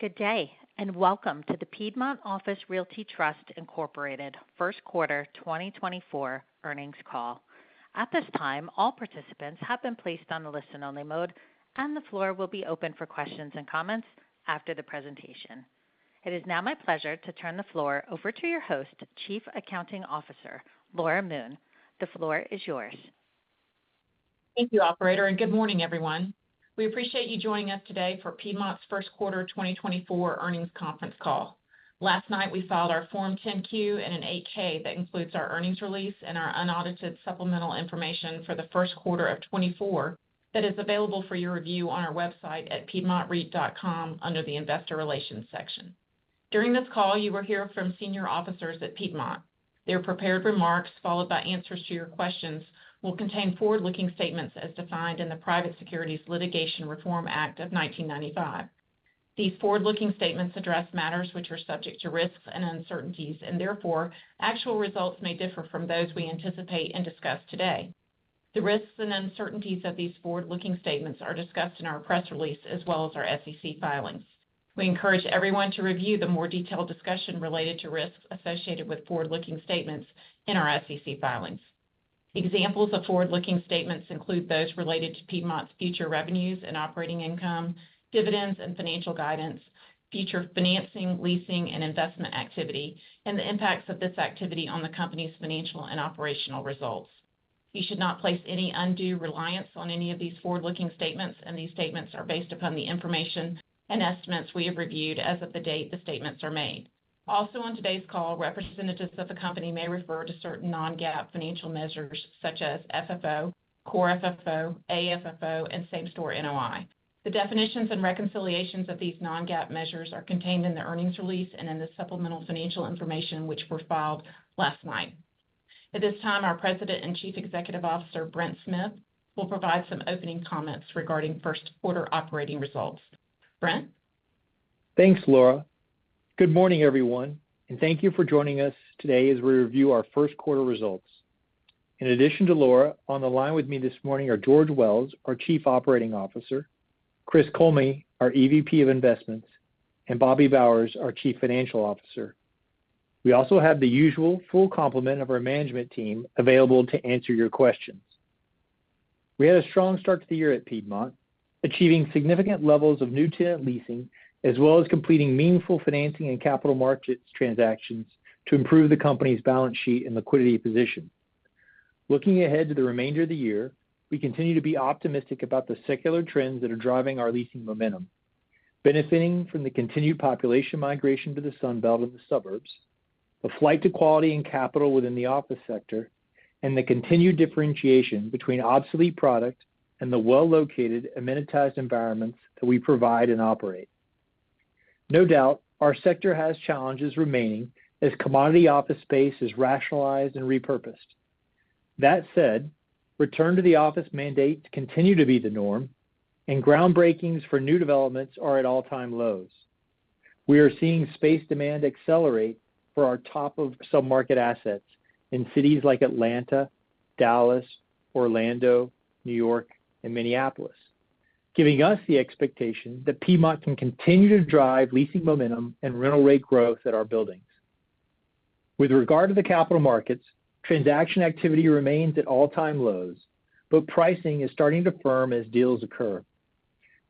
Good day, and welcome to the Piedmont Office Realty Trust Incorporated First Quarter 2024 Earnings Call. At this time, all participants have been placed on the listen-only mode, and the floor will be open for questions and comments after the presentation. It is now my pleasure to turn the floor over to your host, Chief Accounting Officer, Laura Moon. The floor is yours. Thank you, operator, and good morning, everyone. We appreciate you joining us today for Piedmont's First Quarter 2024 Earnings Conference Call. Last night, we filed our Form 10-Q and an 8-K that includes our earnings release and our unaudited supplemental information for the first quarter of 2024, that is available for your review on our website at piedmontreit.com under the Investor Relations section. During this call, you will hear from senior officers at Piedmont. Their prepared remarks, followed by answers to your questions, will contain forward-looking statements as defined in the Private Securities Litigation Reform Act of 1995. These forward-looking statements address matters which are subject to risks and uncertainties, and therefore actual results may differ from those we anticipate and discuss today. The risks and uncertainties of these forward-looking statements are discussed in our press release, as well as our SEC filings. We encourage everyone to review the more detailed discussion related to risks associated with forward-looking statements in our SEC filings. Examples of forward-looking statements include those related to Piedmont's future revenues and operating income, dividends and financial guidance, future financing, leasing, and investment activity, and the impacts of this activity on the company's financial and operational results. You should not place any undue reliance on any of these forward-looking statements, and these statements are based upon the information and estimates we have reviewed as of the date the statements are made. Also, on today's call, representatives of the company may refer to certain non-GAAP financial measures such as FFO, core FFO, AFFO, and same-store NOI. The definitions and reconciliations of these non-GAAP measures are contained in the earnings release and in the supplemental financial information, which were filed last night. At this time, our President and Chief Executive Officer, Brent Smith, will provide some opening comments regarding first quarter operating results. Brent? Thanks, Laura. Good morning, everyone, and thank you for joining us today as we review our first quarter results. In addition to Laura, on the line with me this morning are George Wells, our Chief Operating Officer, Chris Kollme, our EVP of Investments, and Bobby Bowers, our Chief Financial Officer. We also have the usual full complement of our management team available to answer your questions. We had a strong start to the year at Piedmont, achieving significant levels of new tenant leasing, as well as completing meaningful financing and capital markets transactions to improve the company's balance sheet and liquidity position. Looking ahead to the remainder of the year, we continue to be optimistic about the secular trends that are driving our leasing momentum, benefiting from the continued population migration to the Sun Belt and the suburbs, the flight to quality and capital within the office sector, and the continued differentiation between obsolete product and the well-located, amenitized environments that we provide and operate. No doubt, our sector has challenges remaining as commodity office space is rationalized and repurposed. That said, return to the office mandates continue to be the norm, and groundbreakings for new developments are at all-time lows. We are seeing space demand accelerate for our top of sub-market assets in cities like Atlanta, Dallas, Orlando, New York, and Minneapolis, giving us the expectation that Piedmont can continue to drive leasing momentum and rental rate growth at our buildings. With regard to the capital markets, transaction activity remains at all-time lows, but pricing is starting to firm as deals occur.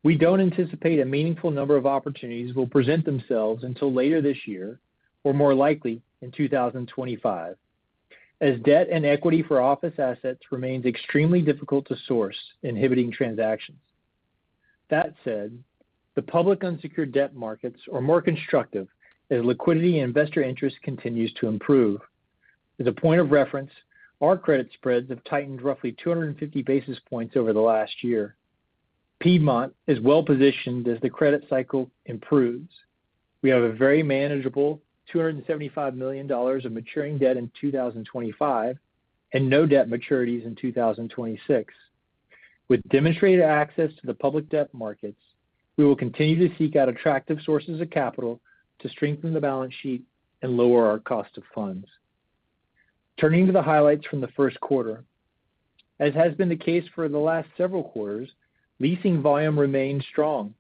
We don't anticipate a meaningful number of opportunities will present themselves until later this year, or more likely in 2025, as debt and equity for office assets remains extremely difficult to source, inhibiting transactions. That said, the public unsecured debt markets are more constructive as liquidity and investor interest continues to improve. As a point of reference, our credit spreads have tightened roughly 250 basis points over the last year. Piedmont is well positioned as the credit cycle improves. We have a very manageable $275 million of maturing debt in 2025, and no debt maturities in 2026. With demonstrated access to the public debt markets, we will continue to seek out attractive sources of capital to strengthen the balance sheet and lower our cost of funds. Turning to the highlights from the first quarter. As has been the case for the last several quarters, leasing volume remains strong.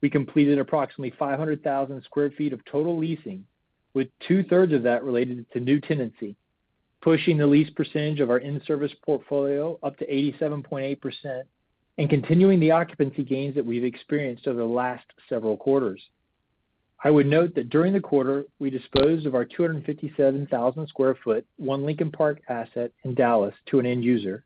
We completed approximately 500,000 sq ft of total leasing, with two-thirds of that related to new tenancy, pushing the lease percentage of our in-service portfolio up to 87.8% and continuing the occupancy gains that we've experienced over the last several quarters. I would note that during the quarter, we disposed of our 257,000 sq ft, One Lincoln Park asset in Dallas to an end user.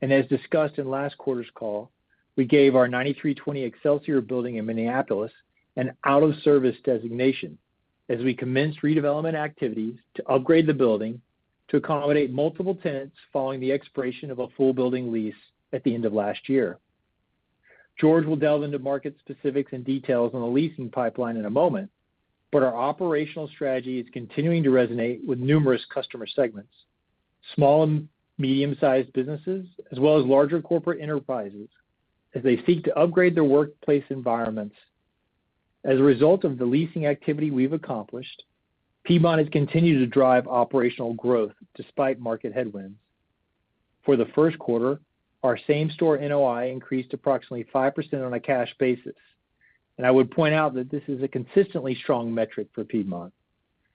As discussed in last quarter's call, we gave our 9320 Excelsior building in Minneapolis an out-of-service designation, as we commenced redevelopment activities to upgrade the building to accommodate multiple tenants following the expiration of a full building lease at the end of last year. George will delve into market specifics and details on the leasing pipeline in a moment, but our operational strategy is continuing to resonate with numerous customer segments, small and medium-sized businesses, as well as larger corporate enterprises, as they seek to upgrade their workplace environments. As a result of the leasing activity we've accomplished, Piedmont has continued to drive operational growth despite market headwinds. For the first quarter, our Same-Store NOI increased approximately 5% on a cash basis. I would point out that this is a consistently strong metric for Piedmont,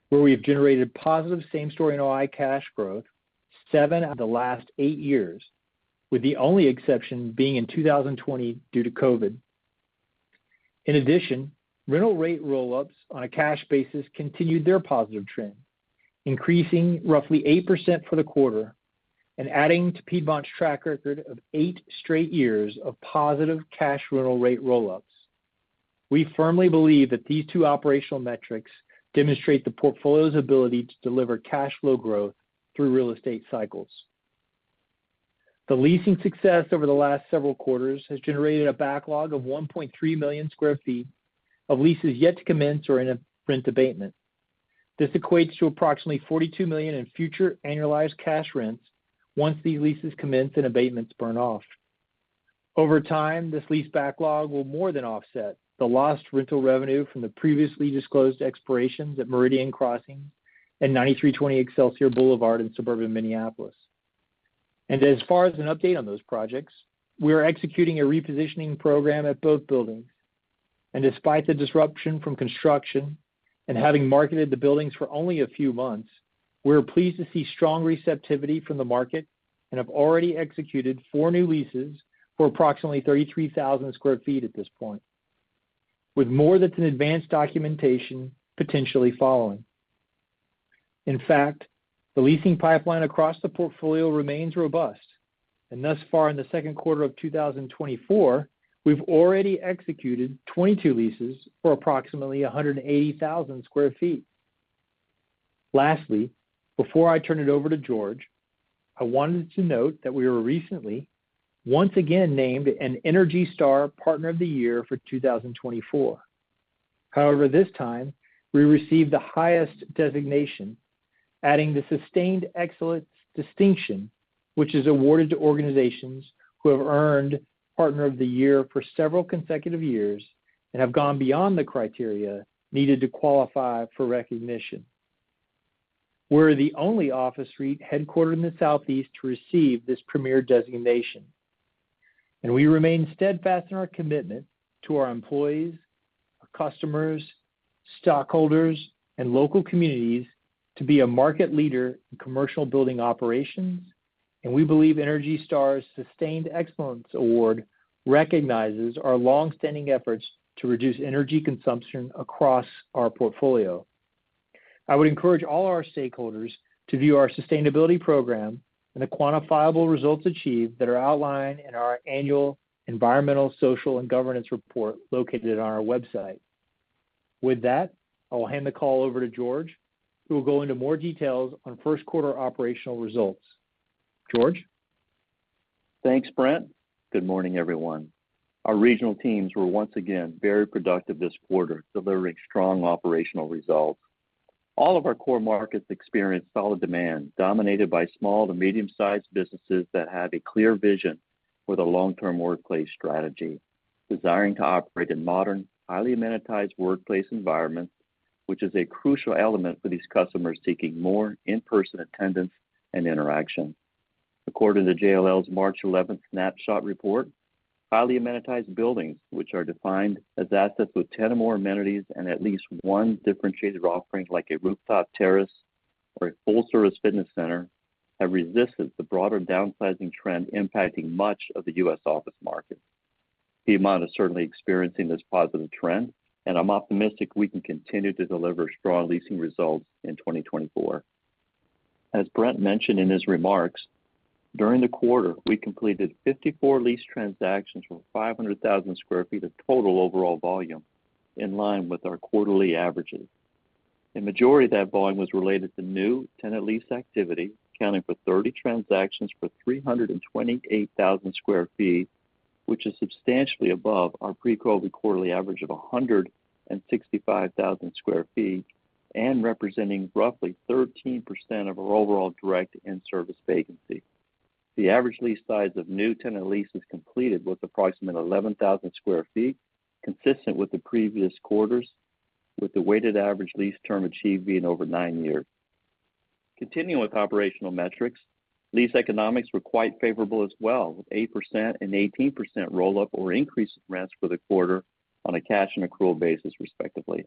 where we have generated positive Same-Store NOI cash growth seven out of the last eight years, with the only exception being in 2020 due to COVID. In addition, rental rate roll-ups on a cash basis continued their positive trend, increasing roughly 8% for the quarter and adding to Piedmont's track record of eight straight years of positive cash rental rate roll-ups. We firmly believe that these two operational metrics demonstrate the portfolio's ability to deliver cash flow growth through real estate cycles. The leasing success over the last several quarters has generated a backlog of 1.3 million sq ft of leases yet to commence or in a rent abatement. This equates to approximately $42 million in future annualized cash rents once these leases commence and abatements burn off. Over time, this lease backlog will more than offset the lost rental revenue from the previously disclosed expirations at Meridian Crossing and 9320 Excelsior Boulevard in suburban Minneapolis. As far as an update on those projects, we are executing a repositioning program at both buildings. Despite the disruption from construction and having marketed the buildings for only a few months, we are pleased to see strong receptivity from the market and have already executed four new leases for approximately 33,000 sq ft at this point, with more that's in advanced documentation potentially following. In fact, the leasing pipeline across the portfolio remains robust, and thus far in the second quarter of 2024, we've already executed 22 leases for approximately 180,000 sq ft. Lastly, before I turn it over to George, I wanted to note that we were recently once again named an ENERGY STAR Partner of the Year for 2024. However, this time, we received the highest designation, adding the Sustained Excellence Distinction, which is awarded to organizations who have earned Partner of the Year for several consecutive years and have gone beyond the criteria needed to qualify for recognition. We're the only office REIT headquartered in the Southeast to receive this premier designation, and we remain steadfast in our commitment to our employees, our customers, stockholders, and local communities to be a market leader in commercial building operations. We believe ENERGY STAR's Sustained Excellence Award recognizes our long-standing efforts to reduce energy consumption across our portfolio. I would encourage all our stakeholders to view our sustainability program and the quantifiable results achieved that are outlined in our annual Environmental, Social, and Governance Report, located on our website. With that, I will hand the call over to George, who will go into more details on first quarter operational results. George? Thanks, Brent. Good morning, everyone. Our regional teams were once again very productive this quarter, delivering strong operational results. All of our core markets experienced solid demand, dominated by small to medium-sized businesses that have a clear vision for the long-term workplace strategy, desiring to operate in modern, highly amenitized workplace environments, which is a crucial element for these customers seeking more in-person attendance and interaction. According to JLL's March eleventh Snapshot report, highly amenitized buildings, which are defined as assets with 10 or more amenities and at least one differentiated offering, like a rooftop terrace or a full-service fitness center, have resisted the broader downsizing trend impacting much of the U.S. office market. Piedmont is certainly experiencing this positive trend, and I'm optimistic we can continue to deliver strong leasing results in 2024. As Brent mentioned in his remarks, during the quarter, we completed 54 lease transactions from 500,000 sq ft of total overall volume, in line with our quarterly averages. A majority of that volume was related to new tenant lease activity, accounting for 30 transactions for 328,000 sq ft, which is substantially above our pre-COVID quarterly average of 165,000 sq ft and representing roughly 13% of our overall direct in-service vacancy. The average lease size of new tenant leases completed was approximately 11,000 sq ft, consistent with the previous quarters, with the weighted average lease term achieved being over nine years. Continuing with operational metrics, lease economics were quite favorable as well, with 8% and 18% roll-up or increase in rents for the quarter on a cash and accrual basis, respectively.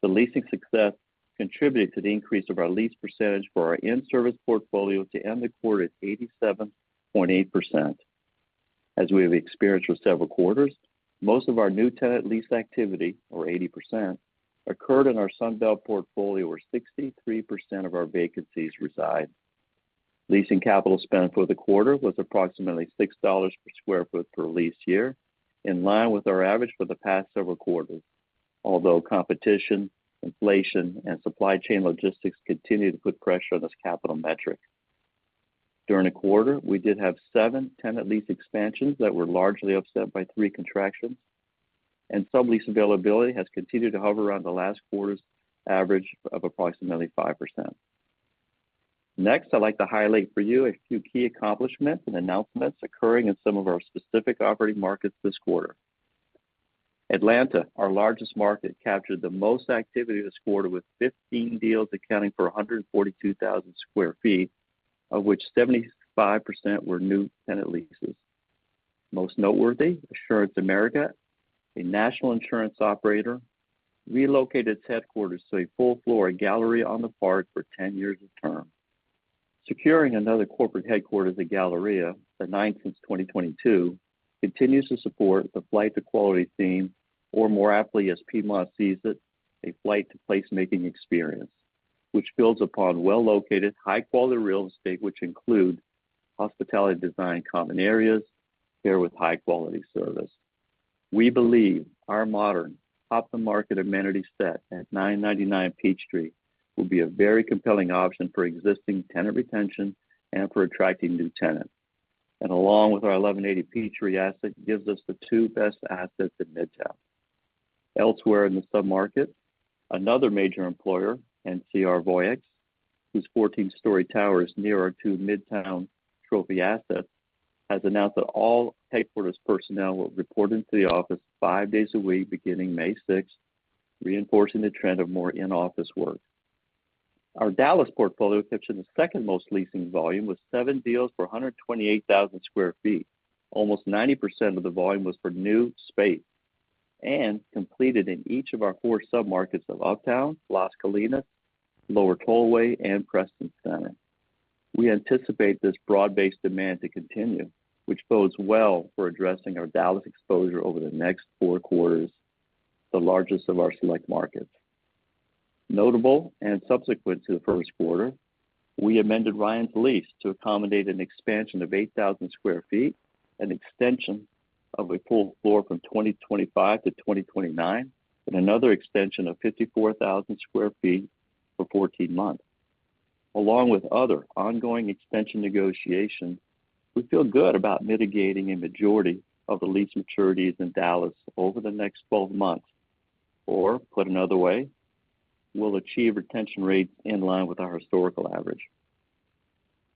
The leasing success contributed to the increase of our lease percentage for our in-service portfolio to end the quarter at 87.8%. As we have experienced for several quarters, most of our new tenant lease activity, or 80%, occurred in our Sun Belt portfolio, where 63% of our vacancies reside. Leasing capital spend for the quarter was approximately $6 per sq ft per lease year, in line with our average for the past several quarters, although competition, inflation, and supply chain logistics continue to put pressure on this capital metric. During the quarter, we did have seven tenant lease expansions that were largely offset by three contractions, and sublease availability has continued to hover around the last quarter's average of approximately 5%. Next, I'd like to highlight for you a few key accomplishments and announcements occurring in some of our specific operating markets this quarter... Atlanta, our largest market, captured the most activity this quarter, with 15 deals accounting for 142,000 sq ft, of which 75% were new tenant leases. Most noteworthy, AssuranceAmerica, a national insurance operator, relocated its headquarters to a full floor at Galleria on the Park for 10 years of term. Securing another corporate headquarters at Galleria, the ninth since 2022, continues to support the flight to quality theme, or more aptly, as Piedmont sees it, a flight to placemaking experience, which builds upon well-located, high-quality real estate, which include hospitality design, common areas, paired with high-quality service. We believe our modern, off-the-market amenities set at 999 Peachtree will be a very compelling option for existing tenant retention and for attracting new tenants. And along with our 1180 Peachtree asset, gives us the two best assets in Midtown. Elsewhere in the submarket, another major employer, NCR Voyix, whose 14-story tower is near our two Midtown trophy assets, has announced that all headquarters personnel will report into the office five days a week, beginning May sixth, reinforcing the trend of more in-office work. Our Dallas portfolio captured the second-most leasing volume, with seven deals for 128,000 sq ft. Almost 90% of the volume was for new space and completed in each of our four submarkets of Uptown, Las Colinas, Lower Tollway, and Preston Center. We anticipate this broad-based demand to continue, which bodes well for addressing our Dallas exposure over the next four quarters, the largest of our select markets. Notably, and subsequent to the first quarter, we amended Ryan's lease to accommodate an expansion of 8,000 sq ft, an extension of a full floor from 2025 to 2029, and another extension of 54,000 sq ft for 14 months. Along with other ongoing extension negotiations, we feel good about mitigating a majority of the lease maturities in Dallas over the next 12 months. Or put another way, we'll achieve retention rates in line with our historical average.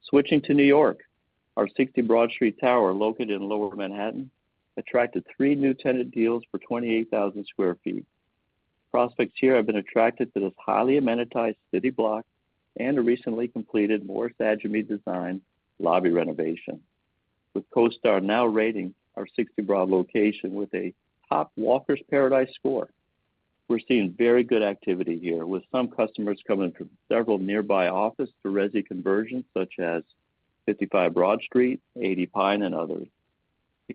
Switching to New York, our 60 Broad Street tower, located in Lower Manhattan, attracted three new tenant deals for 28,000 sq ft. Prospects here have been attracted to this highly amenitized city block and a recently completed Morris Adjmi Design lobby renovation, with CoStar now rating our 60 Broad location with a top Walker's Paradise score. We're seeing very good activity here, with some customers coming from several nearby office to resi conversions, such as 55 Broad Street, 80 Pine Street, and others.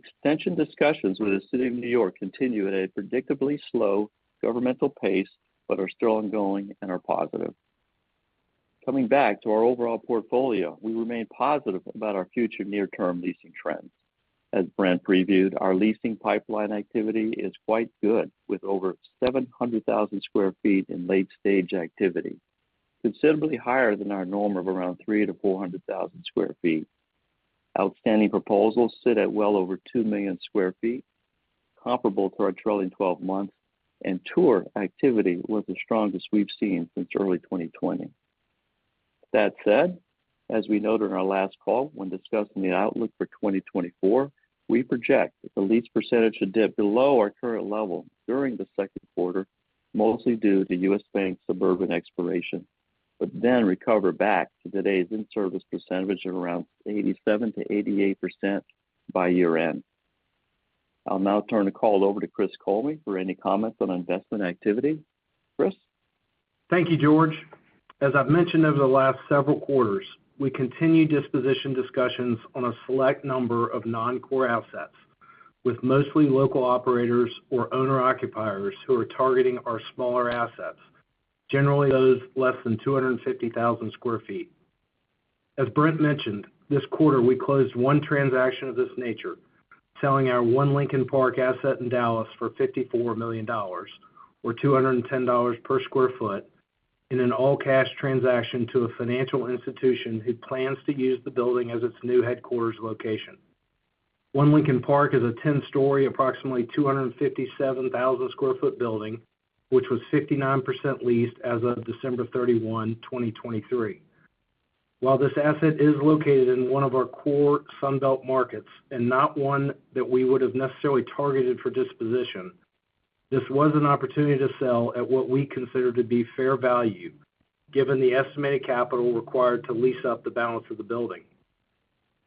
Extension discussions with the City of New York continue at a predictably slow governmental pace, but are still ongoing and are positive. Coming back to our overall portfolio, we remain positive about our future near-term leasing trends. As Brent previewed, our leasing pipeline activity is quite good, with over 700,000 sq ft in late-stage activity, considerably higher than our norm of around 300,000-400,000 sq ft. Outstanding proposals sit at well over 2 million sq ft, comparable to our trailing twelve months, and tour activity was the strongest we've seen since early 2020. That said, as we noted in our last call when discussing the outlook for 2024, we project that the lease percentage should dip below our current level during the second quarter, mostly due to U.S. Bank's suburban expiration, but then recover back to today's in-service percentage of around 87%-88% by year-end. I'll now turn the call over to Chris Kollme for any comments on investment activity. Chris? Thank you, George. As I've mentioned over the last several quarters, we continue disposition discussions on a select number of noncore assets, with mostly local operators or owner-occupiers who are targeting our smaller assets, generally those less than 250,000 sq ft. As Brent mentioned, this quarter, we closed one transaction of this nature, selling our One Lincoln Park asset in Dallas for $54 million, or $210 per sq ft, in an all-cash transaction to a financial institution who plans to use the building as its new headquarters location. One Lincoln Park is a ten-story, approximately 257,000 sq ft building, which was 59% leased as of December 31, 2023. While this asset is located in one of our core Sun Belt markets and not one that we would have necessarily targeted for disposition, this was an opportunity to sell at what we consider to be fair value, given the estimated capital required to lease up the balance of the building.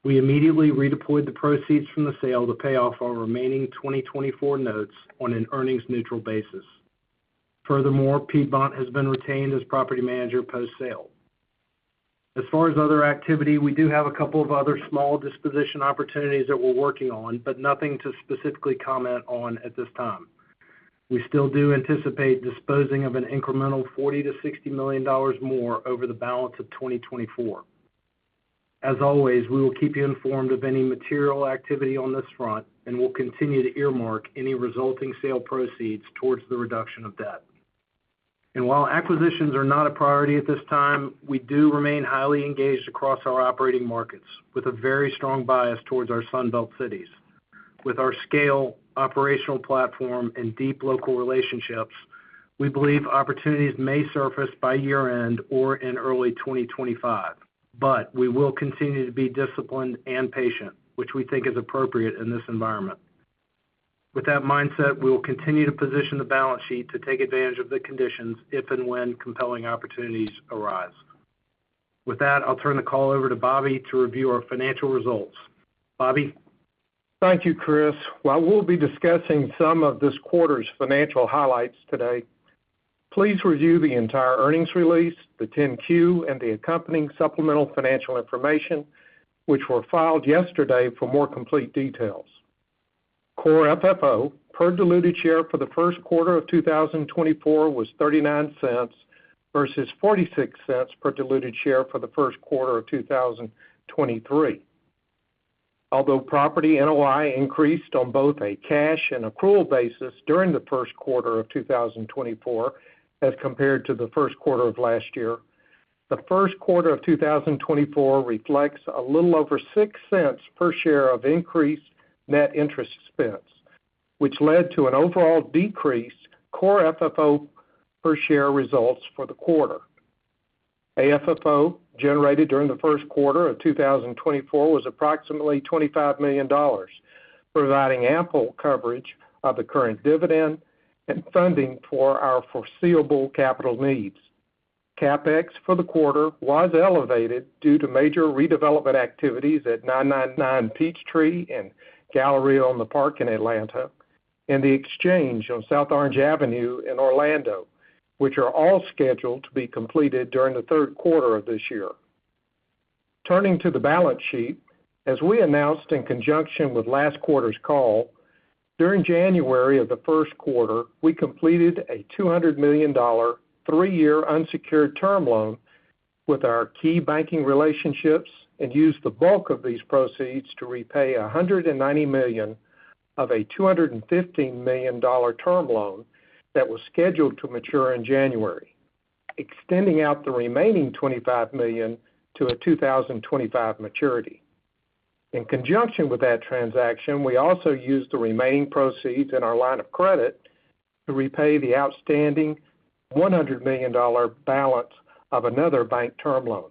We immediately redeployed the proceeds from the sale to pay off our remaining 2024 notes on an earnings-neutral basis. Furthermore, Piedmont has been retained as property manager post-sale. As far as other activity, we do have a couple of other small disposition opportunities that we're working on, but nothing to specifically comment on at this time. We still do anticipate disposing of an incremental $40 million-$60 million more over the balance of 2024. As always, we will keep you informed of any material activity on this front, and we'll continue to earmark any resulting sale proceeds towards the reduction of debt. While acquisitions are not a priority at this time, we do remain highly engaged across our operating markets, with a very strong bias towards our Sun Belt cities. With our scale, operational platform, and deep local relationships... we believe opportunities may surface by year-end or in early 2025, but we will continue to be disciplined and patient, which we think is appropriate in this environment. With that mindset, we will continue to position the balance sheet to take advantage of the conditions if and when compelling opportunities arise. With that, I'll turn the call over to Bobby to review our financial results. Bobby? Thank you, Chris. While we'll be discussing some of this quarter's financial highlights today, please review the entire earnings release, the 10-Q, and the accompanying supplemental financial information, which were filed yesterday for more complete details. Core FFO per diluted share for the first quarter of 2024 was $0.39 versus $0.46 per diluted share for the first quarter of 2023. Although property NOI increased on both a cash and accrual basis during the first quarter of 2024, as compared to the first quarter of last year, the first quarter of 2024 reflects a little over $0.06 per share of increased net interest expense, which led to an overall decreased core FFO per share results for the quarter. AFFO, generated during the first quarter of 2024, was approximately $25 million, providing ample coverage of the current dividend and funding for our foreseeable capital needs. CapEx for the quarter was elevated due to major redevelopment activities at 999 Peachtree and Galleria on the Park in Atlanta, and The Exchange on South Orange Avenue in Orlando, which are all scheduled to be completed during the third quarter of this year. Turning to the balance sheet, as we announced in conjunction with last quarter's call, during January of the first quarter, we completed a $200 million, three-year unsecured term loan with our key banking relationships and used the bulk of these proceeds to repay $190 million of a $250 million term loan that was scheduled to mature in January, extending out the remaining $25 million to a 2025 maturity. In conjunction with that transaction, we also used the remaining proceeds in our line of credit to repay the outstanding $100 million balance of another bank term loan.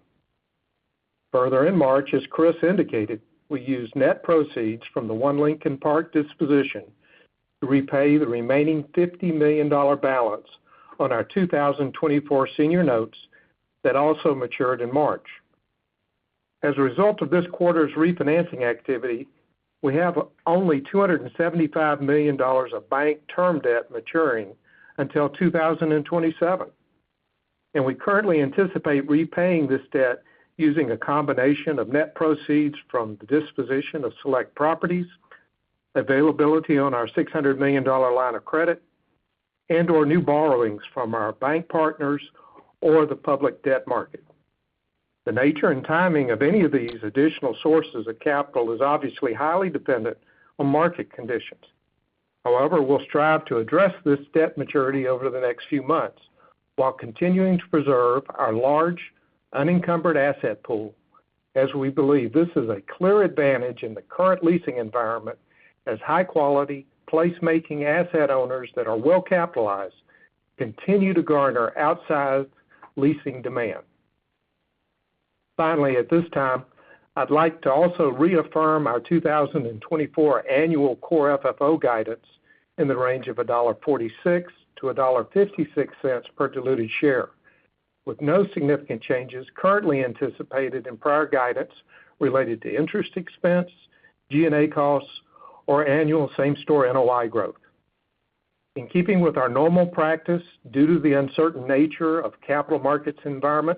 Further in March, as Chris indicated, we used net proceeds from the One Lincoln Park disposition to repay the remaining $50 million balance on our 2024 senior notes that also matured in March. As a result of this quarter's refinancing activity, we have only $275 million of bank term debt maturing until 2027, and we currently anticipate repaying this debt using a combination of net proceeds from the disposition of select properties, availability on our $600 million line of credit, and/or new borrowings from our bank partners or the public debt market. The nature and timing of any of these additional sources of capital is obviously highly dependent on market conditions. However, we'll strive to address this debt maturity over the next few months, while continuing to preserve our large unencumbered asset pool, as we believe this is a clear advantage in the current leasing environment, as high-quality, placemaking asset owners that are well capitalized continue to garner outside leasing demand. Finally, at this time, I'd like to also reaffirm our 2024 annual Core FFO guidance in the range of $1.46-$1.56 per diluted share, with no significant changes currently anticipated in prior guidance related to interest expense, G&A costs, or annual same-store NOI growth. In keeping with our normal practice, due to the uncertain nature of capital markets environment,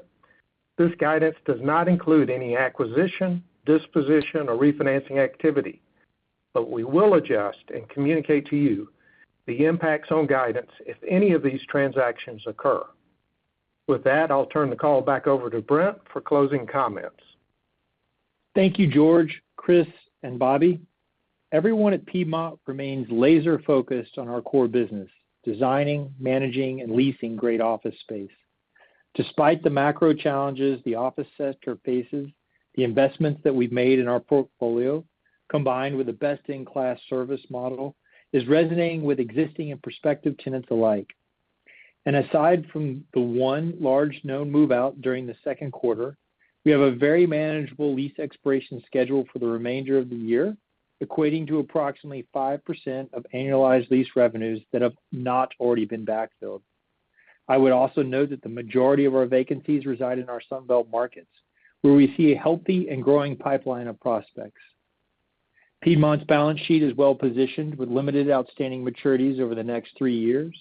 this guidance does not include any acquisition, disposition, or refinancing activity, but we will adjust and communicate to you the impacts on guidance if any of these transactions occur. With that, I'll turn the call back over to Brent for closing comments. Thank you, George, Chris, and Bobby. Everyone at Piedmont remains laser-focused on our core business, designing, managing, and leasing great office space. Despite the macro challenges the office sector faces, the investments that we've made in our portfolio, combined with a best-in-class service model, is resonating with existing and prospective tenants alike. Aside from the one large known move-out during the second quarter, we have a very manageable lease expiration schedule for the remainder of the year, equating to approximately 5% of annualized lease revenues that have not already been backfilled. I would also note that the majority of our vacancies reside in our Sun Belt markets, where we see a healthy and growing pipeline of prospects. Piedmont's balance sheet is well positioned with limited outstanding maturities over the next three years,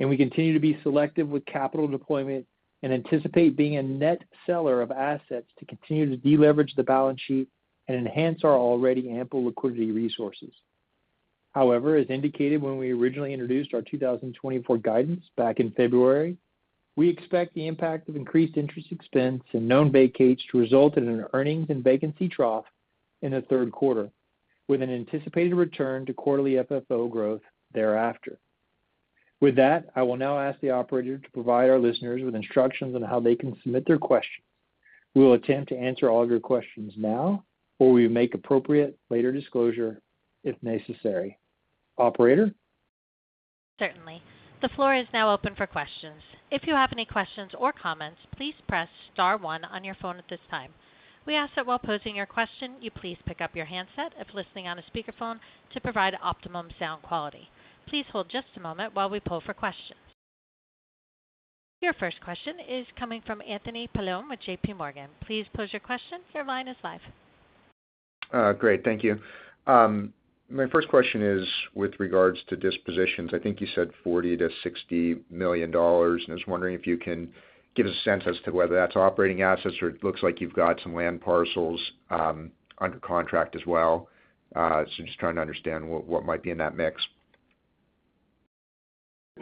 and we continue to be selective with capital deployment and anticipate being a net seller of assets to continue to deleverage the balance sheet and enhance our already ample liquidity resources. However, as indicated when we originally introduced our 2024 guidance back in February, we expect the impact of increased interest expense and known vacates to result in an earnings and vacancy trough in the third quarter, with an anticipated return to quarterly FFO growth thereafter. With that, I will now ask the operator to provide our listeners with instructions on how they can submit their questions. We will attempt to answer all of your questions now, or we make appropriate later disclosure if necessary. Operator? Certainly. The floor is now open for questions. If you have any questions or comments, please press star one on your phone at this time. We ask that while posing your question, you please pick up your handset if listening on a speakerphone to provide optimum sound quality. Please hold just a moment while we pull for questions. Your first question is coming from Anthony Paolone with J.P. Morgan. Please pose your question. Your line is live. Great, thank you. My first question is with regards to dispositions. I think you said $40 million-$60 million, and I was wondering if you can give us a sense as to whether that's operating assets or it looks like you've got some land parcels under contract as well. So just trying to understand what, what might be in that mix.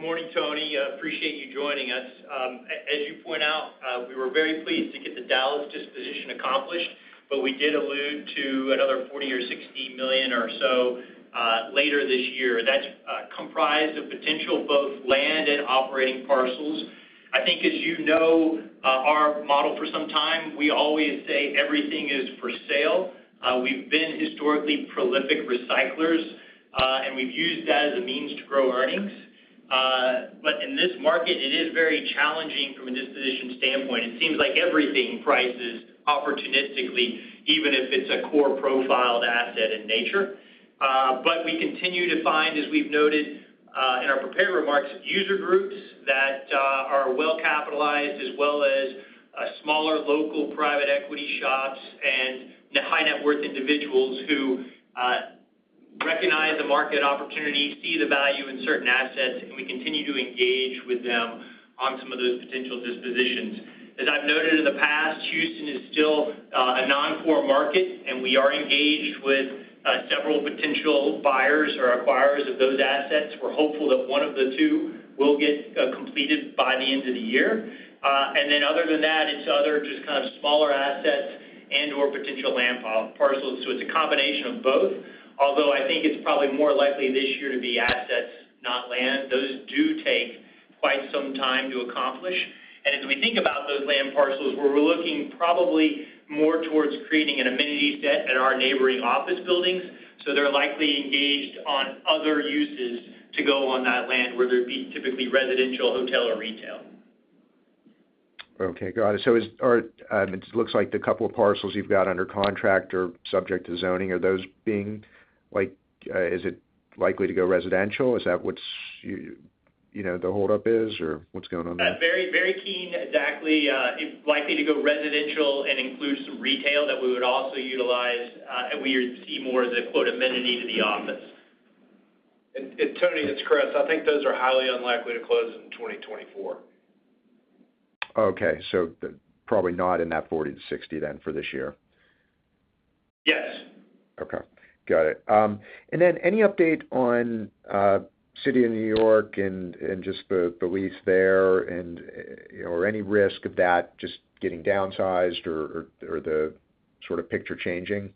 Good morning, Tony. I appreciate you joining us. As you point out, we were very pleased to get the Dallas disposition accomplished, but we did allude to another $40 million-$60 million or so later this year. That's comprised of potential both land and operating parcels. I think as you know, our model for some time, we always say everything is for sale. We've been historically prolific recyclers, and we've used that as a means to grow earnings. But in this market, it is very challenging from a disposition standpoint. It seems like everything prices opportunistically, even if it's a core profiled asset in nature. But we continue to find, as we've noted, in our prepared remarks, user groups that are well capitalized, as well as smaller, local, private equity shops and the high net worth individuals who recognize the market opportunity, see the value in certain assets, and we continue to engage with them on some of those potential dispositions. As I've noted in the past, Houston is still a non-core market, and we are engaged with several potential buyers or acquirers of those assets. We're hopeful that one of the two will get completed by the end of the year. And then other than that, it's other just kind of smaller assets and/or potential land file parcels. So it's a combination of both, although I think it's probably more likely this year to be assets, not land. Those do take quite some time to accomplish. As we think about those land parcels, we're looking probably more towards creating an amenity set at our neighboring office buildings, so they're likely engaged on other uses to go on that land, whether it be typically residential, hotel or retail. Okay, got it. It looks like the couple of parcels you've got under contract are subject to zoning. Are those being, like, is it likely to go residential? Is that what's you, you know, the holdup is, or what's going on there? Very, very keen. Exactly, it's likely to go residential and include some retail that we would also utilize, and we would see more as a quote, "amenity to the office. Tony, it's Chris. I think those are highly unlikely to close in 2024. Okay. So probably not in that 40-60 then for this year? Yes. Okay, got it. And then any update on City of New York and just the lease there and or any risk of that just getting downsized or the sort of picture changing?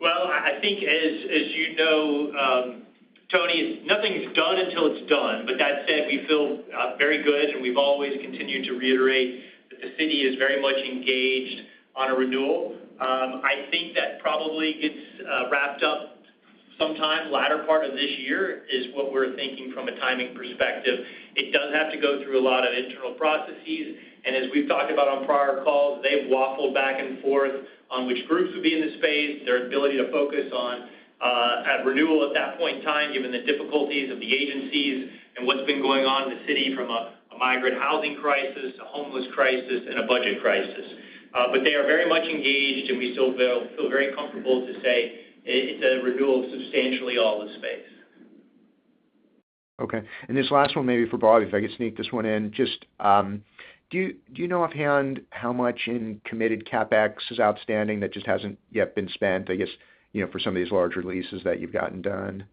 Well, I think as, as you know, Tony, nothing's done until it's done. But that said, we feel very good, and we've always continued to reiterate that the city is very much engaged on a renewal. I think that probably gets wrapped up sometime later part of this year, is what we're thinking from a timing perspective. It does have to go through a lot of internal processes, and as we've talked about on prior calls, they've waffled back and forth on which groups would be in the space, their ability to focus on at renewal at that point in time, given the difficulties of the agencies and what's been going on in the city from a migrant housing crisis, a homeless crisis, and a budget crisis. But they are very much engaged, and we still feel very comfortable to say it's a renewal of substantially all the space. Okay. And this last one, maybe for Bobby, if I could sneak this one in. Just, do you know offhand how much in committed CapEx is outstanding that just hasn't yet been spent, I guess, you know, for some of these larger leases that you've gotten done?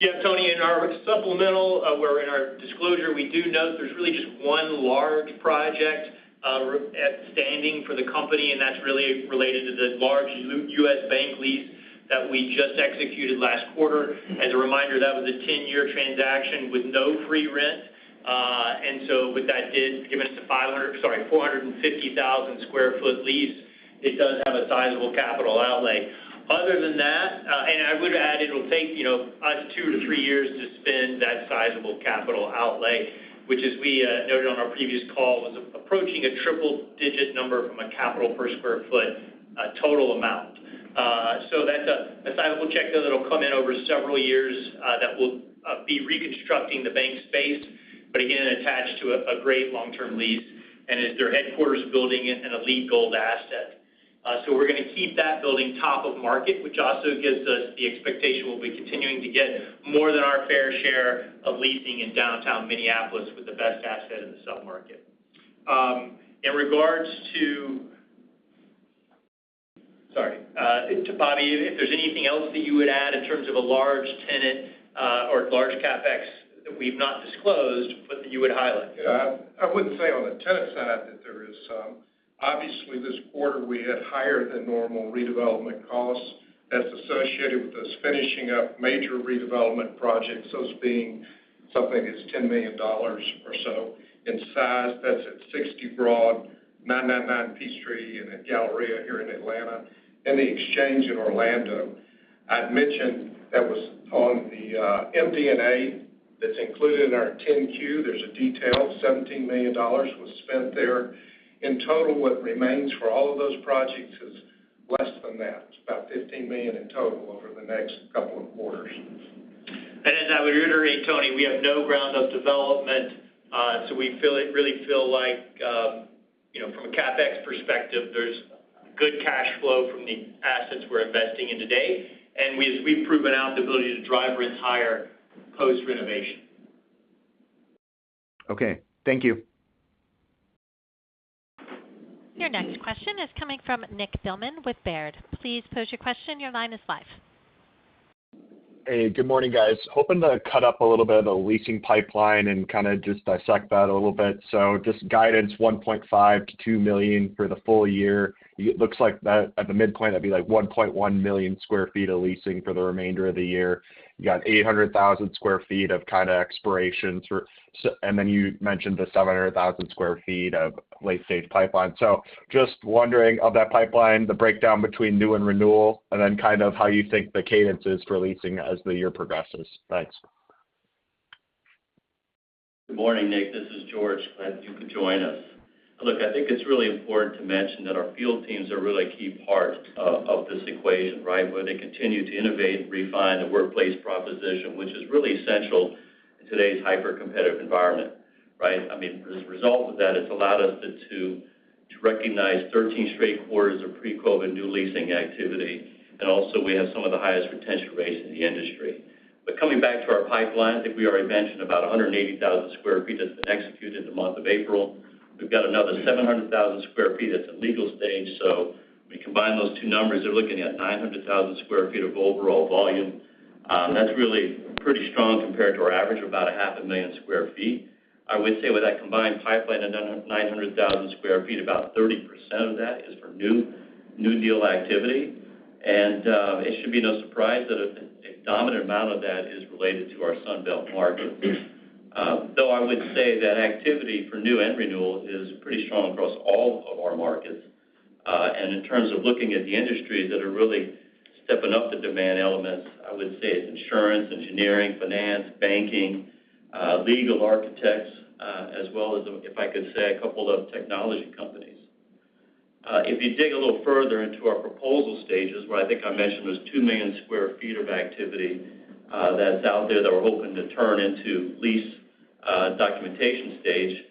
Yeah, Tony, in our supplemental, where in our disclosure, we do note there's really just one large project, outstanding for the company, and that's really related to the large U.S. Bank lease that we just executed last quarter. As a reminder, that was a 10-year transaction with no free rent. And so with that deal, given us a 450,000 sq ft lease, it does have a sizable capital outlay. Other than that, and I would add, it'll take, you know, us 2-3 years to spend that sizable capital outlay, which, as we, noted on our previous call, was approaching a triple-digit number from a capital per square foot, total amount. So that's a sizable check that it'll come in over several years that will be reconstructing the bank space, but again, attached to a great long-term lease and it's their headquarters building and a LEED Gold asset. So we're gonna keep that building top of market, which also gives us the expectation we'll be continuing to get more than our fair share of leasing in downtown Minneapolis with the best asset in the sub-market. In regards to... Sorry, to Bobby, if there's anything else that you would add in terms of a large tenant or large CapEx that we've not disclosed, but that you would highlight? Yeah. I wouldn't say on the tenant side that there is. Obviously, this quarter, we had higher than normal redevelopment costs that's associated with us finishing up major redevelopment projects. Those being something that's $10 million or so in size. That's at 60 Broad, 999 Peachtree, and at Galleria here in Atlanta, and The Exchange in Orlando. I'd mentioned that was on the MD&A that's included in our 10-Q. There's a detail, $17 million was spent there. In total, what remains for all of those projects is less than that. It's about $15 million in total over the next couple of quarters. As I would reiterate, Tony, we have no ground-up development, so we really feel like, you know, from a CapEx perspective, there's good cash flow from the assets we're investing in today, and we've proven out the ability to drive rents higher post-renovation. Okay. Thank you. Your next question is coming from Nick Thillman with Baird. Please pose your question. Your line is live. Hey, good morning, guys. Hoping to cut up a little bit of the leasing pipeline and kind of just dissect that a little bit. So just guidance, 1.5-2 million for the full year. It looks like that at the midpoint, that'd be like 1.1 million sq ft of leasing for the remainder of the year. You got 800,000 sq ft of kind of expiration through, so... And then you mentioned the 700,000 sq ft of late-stage pipeline. So just wondering, of that pipeline, the breakdown between new and renewal, and then kind of how you think the cadence is for leasing as the year progresses. Thanks. Good morning, Nick. This is George. Glad you could join us. Look, I think it's really important to mention that our field teams are really a key part of this equation, right? Where they continue to innovate and refine the workplace proposition, which is really essential in today's hyper-competitive environment, right? I mean, as a result of that, it's allowed us to recognize 13 straight quarters of pre-COVID new leasing activity, and also, we have some of the highest retention rates in the industry. But coming back to our pipeline, I think we already mentioned about 180,000 sq ft that's been executed in the month of April. We've got another 700,000 sq ft that's at legal stage. So we combine those two numbers, you're looking at 900,000 sq ft of overall volume. That's really pretty strong compared to our average of about 500,000 sq ft. I would say with that combined pipeline of 900,000 sq ft, about 30% of that is for new deal activity. And it should be no surprise that a dominant amount of that is related to our Sun Belt market. Though I would say that activity for new and renewal is pretty strong across all of our markets. And in terms of looking at the industries that are really stepping up the demand elements, I would say it's insurance, engineering, finance, banking, legal, architects, as well as, if I could say, a couple of technology companies. If you dig a little further into our proposal stages, where I think I mentioned was 2 million sq ft of activity, that's out there, that we're hoping to turn into lease documentation stage.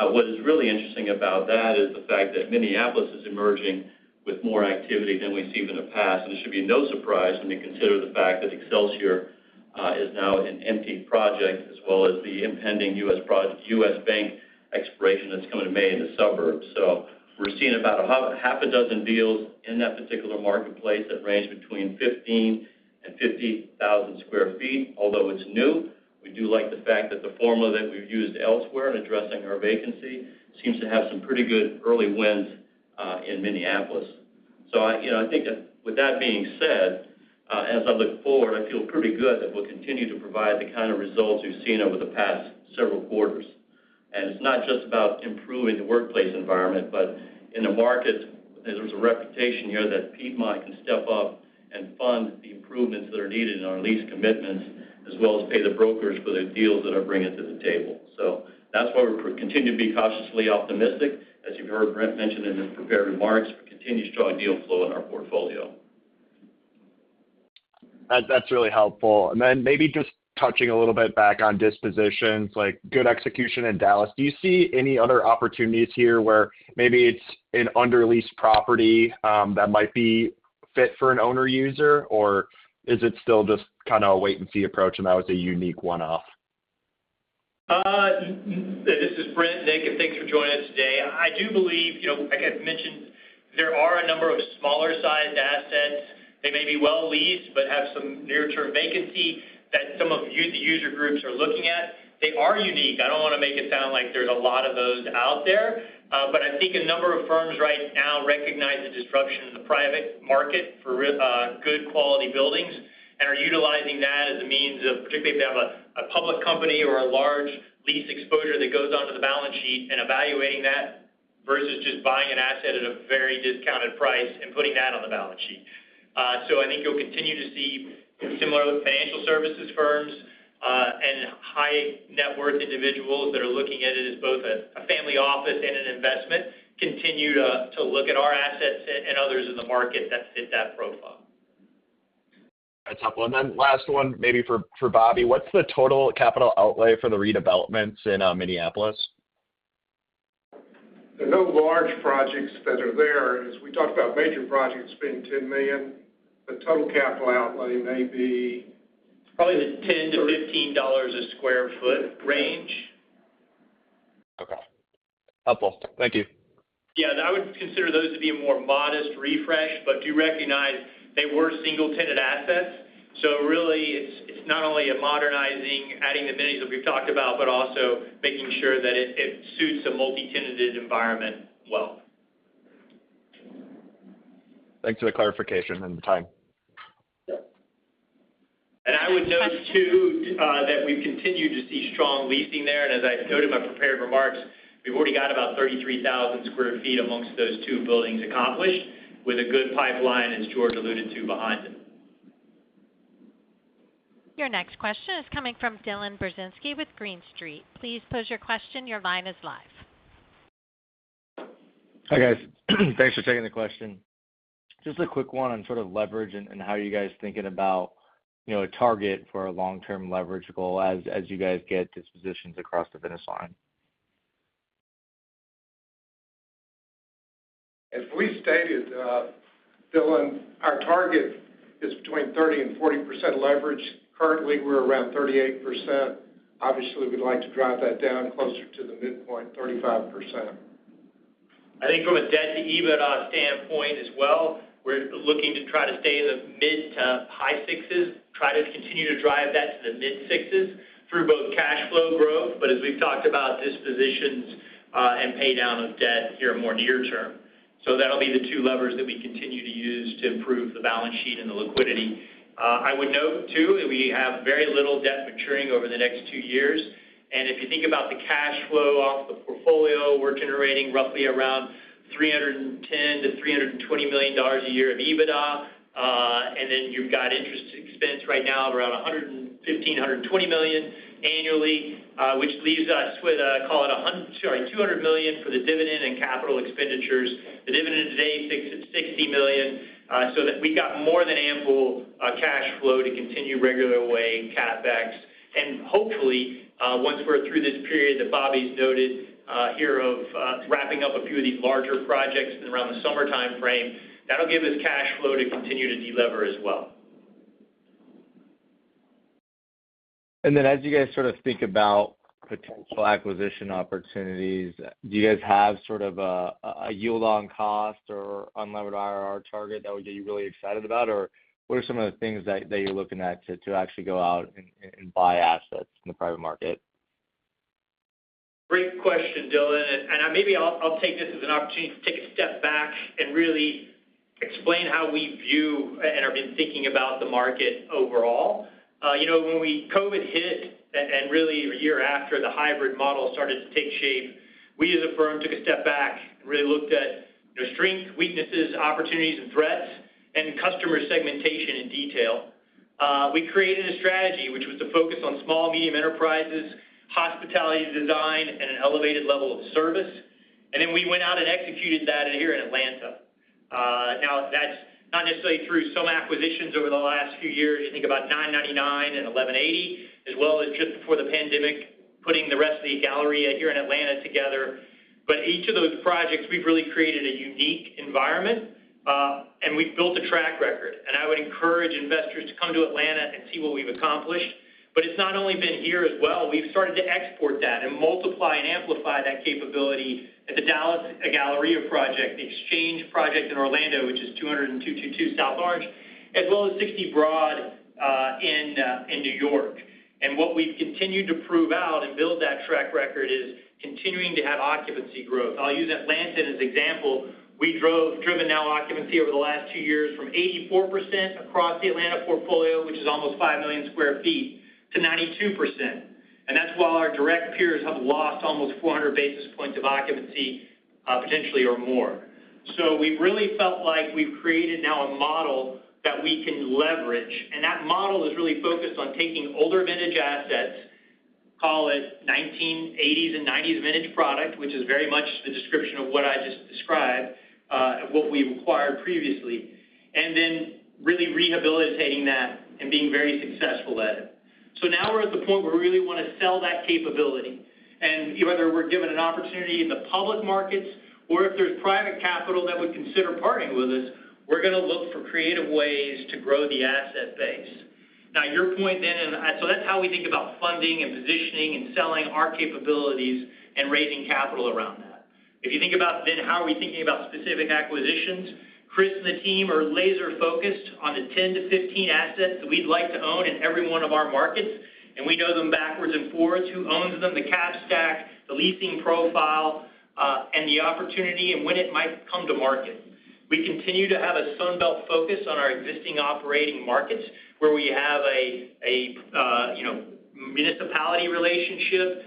What is really interesting about that is the fact that Minneapolis is emerging with more activity than we've seen in the past, and it should be no surprise when you consider the fact that Excelsior is now an empty project, as well as the impending U.S. Bank expiration that's coming in May in the suburbs. So we're seeing about half a dozen deals in that particular marketplace that range between 15,000-50,000 sq ft. Although it's new, we do like the fact that the formula that we've used elsewhere in addressing our vacancy seems to have some pretty good early wins in Minneapolis. So I, you know, I think that with that being said, as I look forward, I feel pretty good that we'll continue to provide the kind of results you've seen over the past several quarters. And it's not just about improving the workplace environment, but in the market, there's a reputation here that Piedmont can step up and fund the improvements that are needed in our lease commitments, as well as pay the brokers for the deals that are bringing to the table. So that's why we're continue to be cautiously optimistic. As you've heard Brent mention in his prepared remarks, we continue to draw deal flow in our portfolio. That, that's really helpful. And then maybe just touching a little bit back on dispositions, like good execution in Dallas. Do you see any other opportunities here where maybe it's an underleased property, that might be fit for an owner-user? Or is it still just kind of a wait-and-see approach, and that was a unique one-off? This is Brent, Nick, and thanks for joining us today. I do believe, you know, like I've mentioned, there are a number of smaller-sized assets that may be well leased, but have some near-term vacancy that some of the user groups are looking at. They are unique. I don't want to make it sound like there's a lot of those out there, but I think a number of firms right now recognize the disruption in the private market for good quality buildings and are utilizing that as a means of, particularly if they have a, a public company or a large lease exposure that goes onto the balance sheet and evaluating that, versus just buying an asset at a very discounted price and putting that on the balance sheet. So I think you'll continue to see, similar with financial services firms, and high-net-worth individuals that are looking at it as both a family office and an investment, continue to look at our assets and others in the market that fit that profile. That's helpful. Then last one, maybe for Bobby: What's the total capital outlay for the redevelopments in Minneapolis? There are no large projects that are there. As we talked about major projects being $10 million, the total capital outlay may be- Probably the $10-$15 a sq ft range. Okay. Helpful. Thank you. Yeah, I would consider those to be a more modest refresh, but do recognize they were single-tenant assets. So really... It's not only a modernizing, adding amenities that we've talked about, but also making sure that it suits a multi-tenanted environment well. Thanks for the clarification and the time. I would note, too, that we've continued to see strong leasing there, and as I noted in my prepared remarks, we've already got about 33,000 sq ft amongst those two buildings accomplished, with a good pipeline, as George alluded to, behind it. Your next question is coming from Dylan Burzinski with Green Street. Please pose your question. Your line is live. Hi, guys. Thanks for taking the question. Just a quick one on sort of leverage and how you guys are thinking about, you know, a target for a long-term leverage goal as you guys get dispositions across the finish line. As we stated, Dylan, our target is between 30%-40% leverage. Currently, we're around 38%. Obviously, we'd like to drive that down closer to the midpoint, 35%. I think from a debt to EBITDA standpoint as well, we're looking to try to stay in the mid- to high sixes, try to continue to drive that to the mid-sixes through both cash flow growth. But as we've talked about, dispositions, and pay down of debt here more near term. So that'll be the two levers that we continue to use to improve the balance sheet and the liquidity. I would note, too, that we have very little debt maturing over the next two years, and if you think about the cash flow off the portfolio, we're generating roughly around $310 million-$320 million a year of EBITDA. And then you've got interest expense right now of around $115-$120 million annually, which leaves us with, call it $200 million for the dividend and capital expenditures. The dividend today sits at $60 million, so that we got more than ample cash flow to continue regular way CapEx. And hopefully, once we're through this period that Bobby's noted here of wrapping up a few of these larger projects in around the summer timeframe, that'll give us cash flow to continue to delever as well. And then, as you guys sort of think about potential acquisition opportunities, do you guys have sort of a yield on cost or unlevered IRR target that would get you really excited about? Or what are some of the things that you're looking at to actually go out and buy assets in the private market? Great question, Dylan, and maybe I'll take this as an opportunity to take a step back and really explain how we view and have been thinking about the market overall. You know, when COVID hit, and really a year after, the hybrid model started to take shape, we, as a firm, took a step back and really looked at the strengths, weaknesses, opportunities and threats, and customer segmentation in detail. We created a strategy, which was to focus on small, medium enterprises, hospitality design, and an elevated level of service. And then we went out and executed that here in Atlanta. Now, that's not necessarily through some acquisitions over the last few years. I think about 999 and 1180, as well as just before the pandemic, putting the rest of the Galleria here in Atlanta together. But each of those projects, we've really created a unique environment, and we've built a track record, and I would encourage investors to come to Atlanta and see what we've accomplished. But it's not only been here as well. We've started to export that and multiply and amplify that capability at the Dallas Galleria project, the Exchange project in Orlando, which is 222 South Orange, as well as 60 Broad in New York. And what we've continued to prove out and build that track record is continuing to have occupancy growth. I'll use Atlanta as an example. We've driven occupancy over the last two years from 84% across the Atlanta portfolio, which is almost 5 million sq ft, to 92%. And that's while our direct peers have lost almost 400 basis points of occupancy, potentially or more. So we've really felt like we've created now a model that we can leverage, and that model is really focused on taking older vintage assets, call it 1980s and 1990s vintage product, which is very much the description of what I just described, and what we've acquired previously, and then really rehabilitating that and being very successful at it. So now we're at the point where we really want to sell that capability. And whether we're given an opportunity in the public markets, or if there's private capital that would consider partnering with us, we're gonna look for creative ways to grow the asset base. Now, your point then, and so that's how we think about funding and positioning and selling our capabilities and raising capital around that. If you think about then, how are we thinking about specific acquisitions, Chris and the team are laser-focused on the 10-15 assets that we'd like to own in every one of our markets, and we know them backwards and forwards, who owns them, the cap stack, the leasing profile, and the opportunity and when it might come to market. We continue to have a Sun Belt focus on our existing operating markets, where we have a, you know, municipality relationship,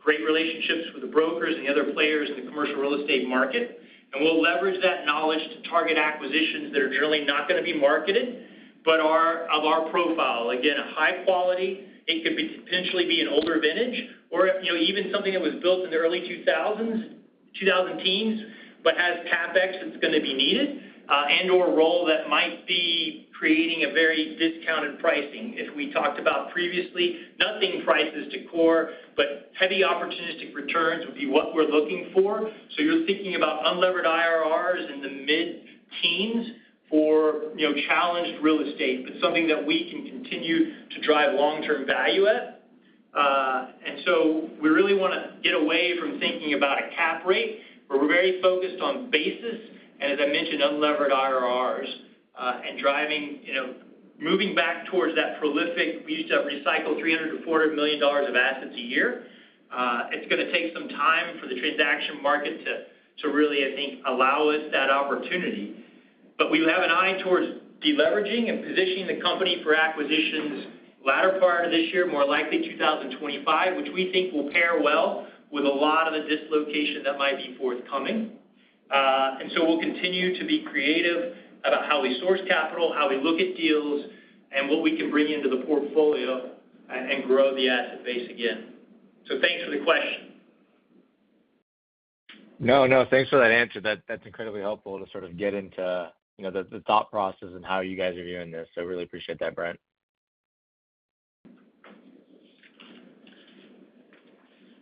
great relationships with the brokers and the other players in the commercial real estate market. And we'll leverage that knowledge to target acquisitions that are generally not gonna be marketed, but are of our profile. Again, a high quality. It could potentially be an older vintage or, you know, even something that was built in the early 2000s, 2010s, but has CapEx that's gonna be needed, and/or role that might be creating a very discounted pricing. As we talked about previously, nothing prices to core, but heavy opportunistic returns would be what we're looking for. So you're thinking about unlevered IRRs in the mid-teens for, you know, challenged real estate, but something that we can continue to drive long-term value at. We want to get away from thinking about a cap rate, where we're very focused on basis, and as I mentioned, unlevered IRRs, and driving, you know, moving back towards that prolific. We used to recycle $300 million-$400 million of assets a year. It's gonna take some time for the transaction market to really, I think, allow us that opportunity. But we have an eye towards deleveraging and positioning the company for acquisitions latter part of this year, more likely 2025, which we think will pair well with a lot of the dislocation that might be forthcoming. And so we'll continue to be creative about how we source capital, how we look at deals, and what we can bring into the portfolio and grow the asset base again. So thanks for the question. No, no, thanks for that answer. That's incredibly helpful to sort of get into, you know, the thought process and how you guys are viewing this. So I really appreciate that, Brent.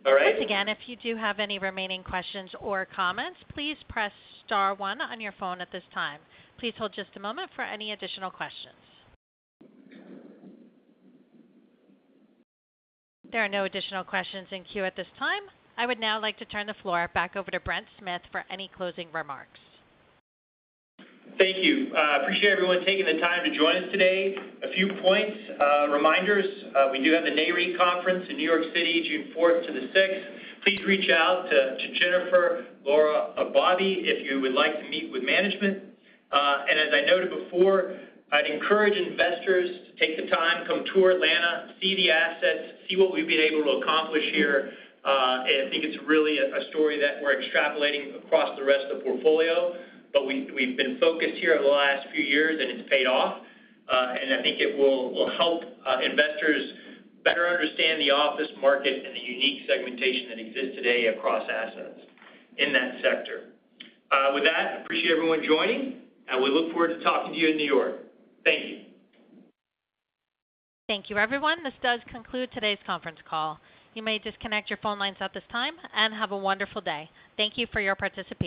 All right. Once again, if you do have any remaining questions or comments, please press star one on your phone at this time. Please hold just a moment for any additional questions. There are no additional questions in queue at this time. I would now like to turn the floor back over to Brent Smith for any closing remarks. Thank you. I appreciate everyone taking the time to join us today. A few points, reminders, we do have the Nareit conference in New York City, June fourth to the sixth. Please reach out to Jennifer, Laura, or Bobby, if you would like to meet with management. And as I noted before, I'd encourage investors to take the time, come tour Atlanta, see the assets, see what we've been able to accomplish here. And I think it's really a story that we're extrapolating across the rest of the portfolio, but we, we've been focused here over the last few years, and it's paid off. And I think it will help investors better understand the office market and the unique segmentation that exists today across assets in that sector. With that, I appreciate everyone joining, and we look forward to talking to you in New York. Thank you. Thank you, everyone. This does conclude today's conference call. You may disconnect your phone lines at this time, and have a wonderful day. Thank you for your participation.